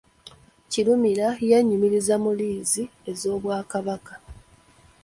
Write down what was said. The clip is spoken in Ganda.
Kirumira yeenyumiriza mu liizi z’Obwakabaka.